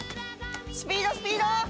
「スピードスピード！」